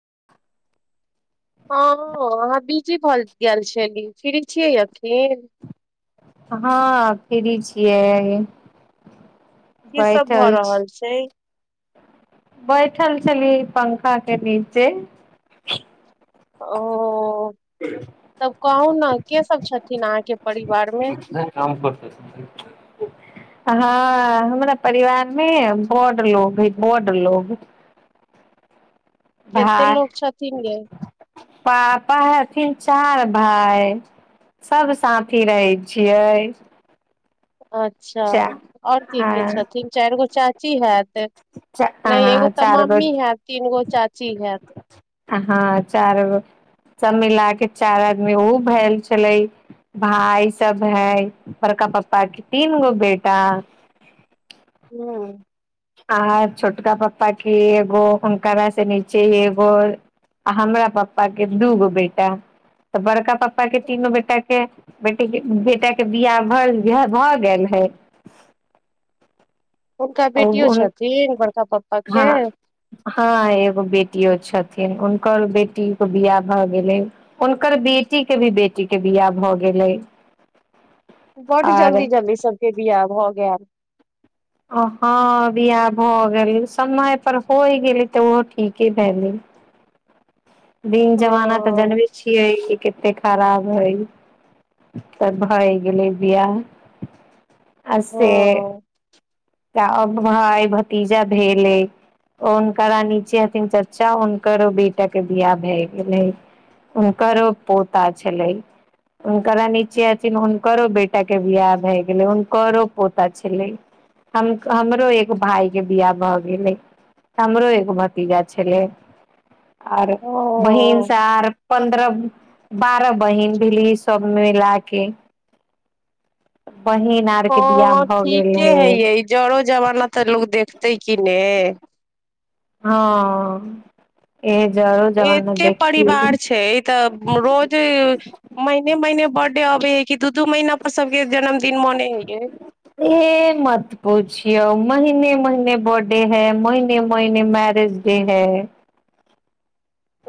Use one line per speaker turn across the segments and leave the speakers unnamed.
[inaudible]
हँ अहाँ बीजी भल गैल छली फ्री छियै अखिन
हँ फ्री छियै
की सब भऽ
बैठल छी
रहल छै
बैठल छलीये पंखा के नीचे
ओ तब कहू न के सब छथिन अहाँके परिवार मे
हँ हमरा परिवार मे बड लोग हइ बड लोग भा
कते लोग छथिन यै
पापा हथिन चार भाय सब साथी रहै छियै
अच्छा
चा
और के के
अ
छथिन चाइर गो चाची हैत नइ एगो तऽ
चार गो
मम्मी होयत तीन गो चाची होयत [inaudible]
हँ चार गो सभ मिला केऽ चार आदमी उऽ भेल छलै भाय सभ हइ बड़का पपा तीन गो बेटा
हु
आ छोटका पपा के एगो हुनकासँ नचे एगो आ हमरा पपाके दू गो बेटा तऽ बड़का पपाके तीनो बेटाके बेटिके बेटाके बियाह भ भैय भऽ गेल हइ
हुनका बेटियो छथिन बड़का पपा के
हँ हँ एगो बेटियो छथिन हुनकर बेटीे कऽ बियाह भए गेले हुनकर बेटी के भी बेटी के बियाह भए गेले
बड्ड जल्दी जल्दी सबके बिआह भगेल
हँ बियाह भऽ गेल समय पर होय गेलै तऽ उहो ठीके भेलै दिन
ओ
जमाना तऽ जनबे छियै कते खराब हइ त भय गेलै बियाह आ
ओ
से भाय भतीजा भेले हुनकरा नीचे हथिन चचा हुनकरो बेटाके विियाह भए गेलै हुनकरो पोता छलै हुनकर नीचे हथिन हुनकरो बेटाके बियाह भए गेलै हुनकरो पोता छलै हमरो एक भायके बियाह भऽ गेलै हमरो एक भतीजा छलै आओर बहिन
ओ
सार पन्द्रह बारह बहिन भेलीस सब मिला कए
हँ ठीके है
रहे
य जरो जमाना तऽ लोकोग देखते कि ने
हँ ए जरो जमाना
एते परिवार
देखिय
छै तऽ रोज महने महिने बर्थडे अबे है कि दूधू म अपन सबकें जन्मदिन मनेलिय
महिने महिने बर्थ डे है महिने महिने मैरेज डे है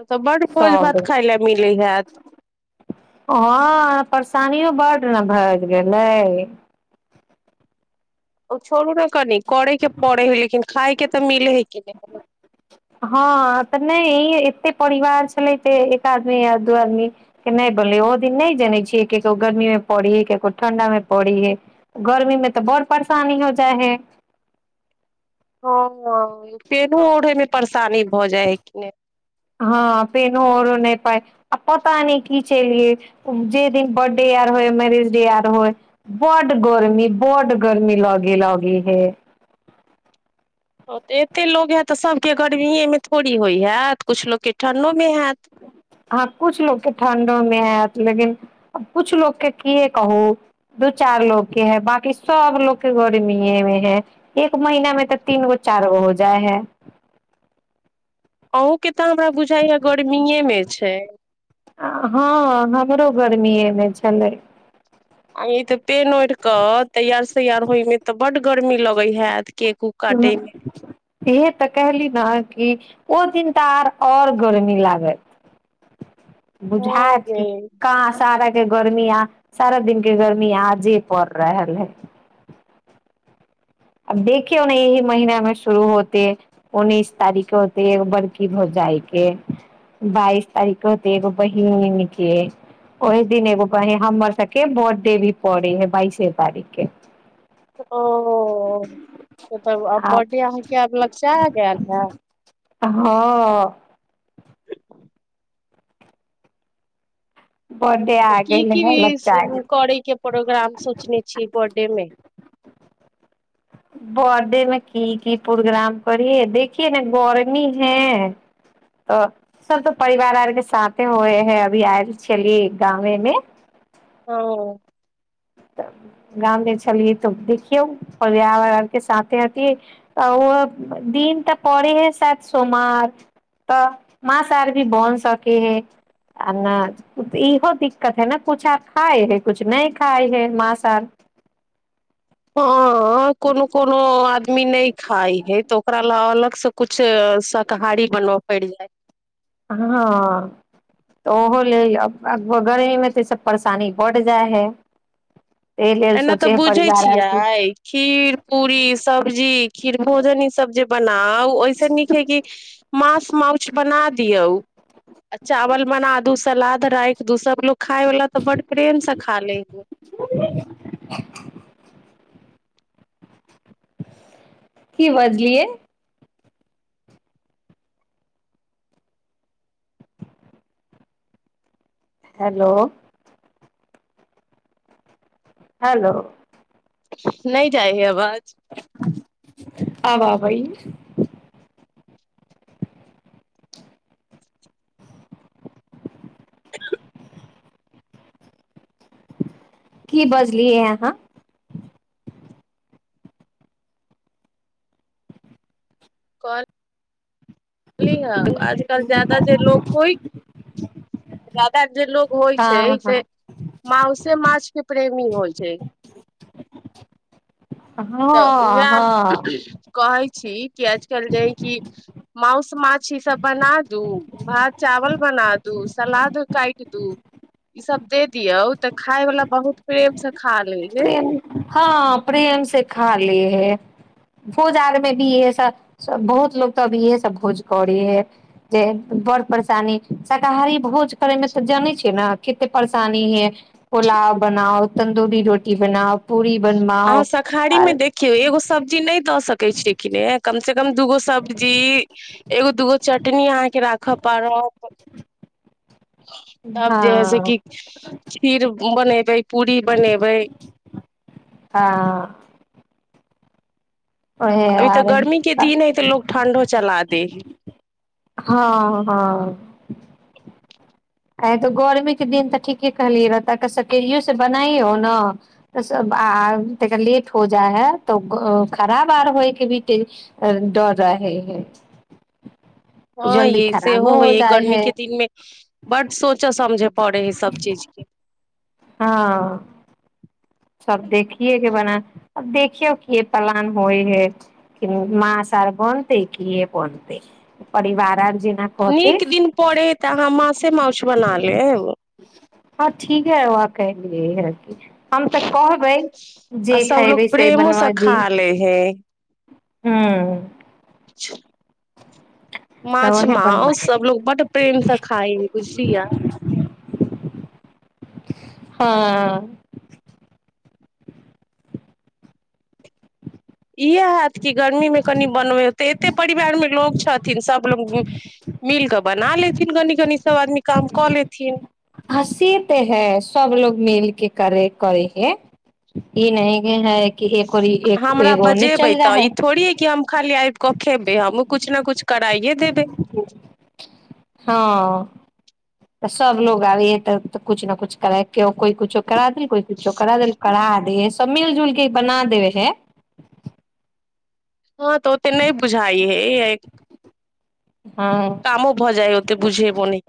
तऽ बड भोज
सब
भात खााय ले मिलै हयत
हँ परेशानिओ बड्ड ने भएि गेलै
ओ छोड़ू ने कनिक करैके पड़े हइ लेकिन खायइके तऽ मिल है की नै मतलब
हँ तऽ नहि ई एतेक परिवार छलै जे एक आदमी य दू आदमी के नहि बोलै ओ दिन नहि जनै छियै ककरो गर्मीमे पड़ी हइ ककरो ठंढामे पड़ी हइ गर्मीमे तऽ बड़ परेशानी हो जाइ हइ
हँ ह पेनो ओढ़े मे परेशानी भऽ जाइ है कि ने
हँ पेनो आरो नहि पाइ आ पता नहि की चलियै जेहि दिन बर्थडे आर होय मैरेज डे आर होय बड्ड गर्मी बड गर्मी लगे लगे हइ
ओ तऽ एतेक लोक हएत तऽ सभके गर्मिएमे थोड़ी होइ हएत किछु लोककेँ ठण्डोमे होएत
हँ किछु लोकके ठण्डोमे आयत लेकिन किछु लोकके कए कहू दू चार लोकके हइ बाँकी सभ लोकके गर्मिएमे है एक महीनामे तऽ तीन गो चारि गो हो जाइ है
अहूँके तऽ हमरा बुझाइय गर्मीएमे छै
हँ हमरो गर्मिएमे छलै
आ ई तऽ पेन ओढ़ि कऽ तैयार सैयार होयमे तऽ बड गर्मी लगैत हैत केकु काटेमे
इएहे तऽ कहली ने कि ओ दिन तऽ आर आओर गरमी लागत
हँ
बुझाइत
यै
की कहाँ सारा के गर्मी आ सारा दिन के गर्मी आ जे पड़ रहल है आब देखियौ ने यह महिनामे शुरू होते उन्नीस तारीख के होते एगो बड़की भौजइ के बाइस तारीख के होते एगो बहिन के ओहि दिन एगो बहिन हमर सब के बर्थडे भी पड़े है बाइसे तारीख के
हँ ओ तब आब बर्डे अहाँके लगीचा गेल हाय
हँ बर्थडे आ
तऽ
गेल
की
है लच्चा गेल
की करैके प्रोग्राम सोचने छियै बर्थडेमे
बर्थडेमे की की प्रोग्राम करियै देखिये ने गर्मी है तऽ सब तऽ परिवार आरके साथे होइ है अभी आयल छलियै गावमेमे
हँ
गाममे छलियै तऽ देखियौ पर्यावर आरके साथे अथ त ओ दिन तऽ पड़े हइ शायद सोम आर तऽ मस आर भी बन सकेै हे आ ने इहो दिक्कत है ने कुछु आ खाइ हे कछु नहि खाय हय मांस आर
हँ कोनो कोनो हँ आदमी नहि खाइ है तऽ ओकरा लय अलग से कछ शाकाहारी बनबय पड़ि जाय
हँ तऽ ओहो लेल गर्मीमे तऽ सभ परेशानी बढ़ जाइ हइ
एना तऽ बुझै छियै खीर पूरी सब्जी खीर भोजन ईसभ जे बनाउ ऐसे नीक हे कि माास मान्छ बना दियो चावल बना दू सलाद राख दू सब लोग खााय वला तऽ बड प्रेम से खा ले हइ
[inaudible] की बजलिए हेलो हेलो
नहि जाइ ह आवाज
आब आब ओइ की बजलियै अहाँ
बलिहँ आजकल ज्याददा जे लोको होइ जादा जे लोग होइ
हँ
छै से माउसँ माछ के प्रेमी होइ छै
हँ
तऽ
हँ
उएह
हँ
कहै छी कि आजकल जे है कि माउंस मान्छ छी सब बना दू भात चावल बना दू सलाद काट ई सब दे दियऔ तऽ खाय वाल बहुत प्रेम सब खा लय हइ
प्रेम हँ प्रेम से खाले हे भोज आर मे भी इहे सब बहुत लोको तऽ अ इहे सब भोज करे हे जे बड़ परेशानी शाकाहारी भोज करे मे तऽ जानै छै ने कते परेशानी हे पुलाव बनाओ तन्दूरी रोटी की बनाओ पूरी बनवाओ
अहाँ शाकारीमे
आर
देखियौ एगो सब्जी नहि दऽ सकैत छीखिन कम से कम दूगो सब्जी एगो दूगो चट तनि अहाँ के राखऽ पड़त तब जे हैस
हँ
कि खीर बनेबै पूरी बनेबै
हँ ओह
अभी
आ
तऽ
रह
गर्मी के दिन है तऽ लोग ठंडो चला दे है
हँ हँ आँ तऽ गर्मीके दिन तऽ ठीके कहलियै रह तऽ सकेरियोसँ बनाइयहौ ने तऽ सभ आ त लेट हो जाइ हइ तऽ खराब आर होयके भी डर रहै हइ
हँ यह सेहो होइ ह गर्मी
है
के दिनमे बड सोचऽ समझय पड़ै हइ सभ चीजके
हँ सब देखिये के बना अब देखियौ कि पलान होइ है कि माँ स आर बनते कि ये बनते परिवार आर जेना कहतै
नीक दिन पड़ै हइ तऽ अहाँ मासे माछ बना ले ओ
हँ ठीक है वह कह य ह कि हम तऽ कहबै
आ
जे खेबै
सभलोग
से
प्रेमो
बनवा दी
खा ले हे
हँ
अच्छा माछ
रहे बन
माउस
लागे
सबलोग बड प्रेमसँ खाइ बुझलिया
हँ
इह की गर्मी मे कनी बनबे होते एते परिवार मे लोग छथि थिन सभलोग मिल कऽ बना लेथिन कनी कनी सभ आदमी काम कऽ लेथिन
हँसी तऽ है सब लोग मिलके करे करै हे
हमरा
एगो ने
बजेबै
चल जा
तऽ ई थोड़ी है कि हम खाली आबि कऽ खेबै हमूँ किछ ने कुछ कराइए देबै
हँ तऽ सब लोग आब तऽऽ कछु ने कुछ करै क कोइ कुछो करा देल कोइ स छौ करा द करा देेश तऽ मिलजुल क बना देब छै
हँ तऽ ओ त नहि बुझाइ है
हँ
कामो भऽ जाए हए बुझेब न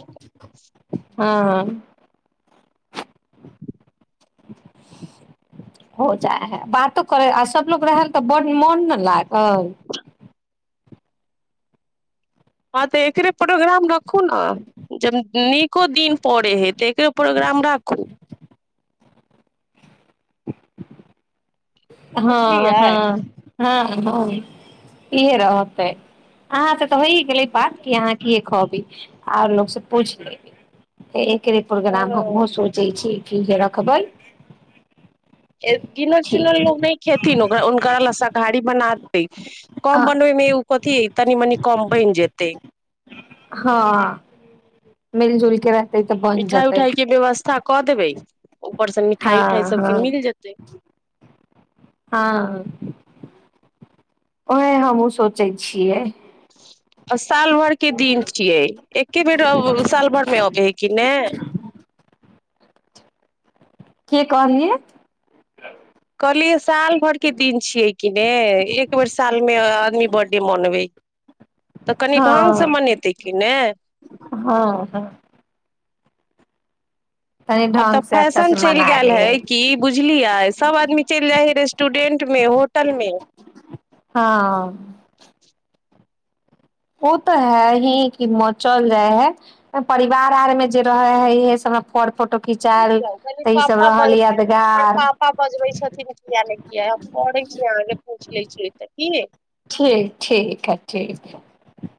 हँ ह हो जाए है बातो करे आ सबलोग रह तऽ ब मोन न लाग आ
हँ तऽ एकरे प्रोग्राम रखू ने जब नीको दिन पड़े हे तऽ प्रोग्राम राखू
[inaudible] हँ
बुझलियै
हँ हँ ह इहे रहतै अहाँ त तऽ होइ गेलै बात कि अहाँ कि कहबी आर लोकसँ पूछि लेब केे प्रोग्राम
हँ
हमहु सोचे छी ठीक है रखबए
एक गीनो चुनल लोग नहि खेथिन हुनक ल शाकाहारी [unintelligible]
आ
कम बनबैमे ए कथी अय तनी मनी कम बनि जेतै।
मिलजुलके रहै
मिठाय उठाय के व्यवस्था क देबै। ऊपर से मिठाई उठाई
हँ
सबके
हँ
मिल जेतै
हँ ओहे हमहूँ सोचै छियै।
अस साल भर के दिन छियै एके बेर अ साल भर मे अबय हय कि ने।
के कहलि?
कहलियै साल भर के दिन छियै कि ने एक बेर सालमे आदमी बर्थडे मनबै तऽ कनि
हँ
ढङ्गसँ मनेतै कि ने।
हँ हँ तनी
आब तऽ
ढंग से अच्छा
फैशन
से
चलि
मना
गेल
लियै
है कि बुझलियै सभ आदमी चलि जाइ हय रेस्टुरेंट मे होटल मे।
हँ ओ तऽ है हीं कि चल जाय है परिवार आर में जे रहे है इहे सबमे फर फोटो खिचायल
जाउ क
तऽ ई सब
पापा ब
रहल
हमर
यादगार
पापा बजबै छथिन कििया नहि कििया हम करै छी अहाँके पूछि ले छियै तऽ क
ठीक ठीक हय ठीक हय।